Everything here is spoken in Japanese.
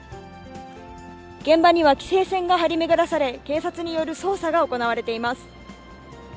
現場には規制線が張り巡らされ、警察による捜査が行われています。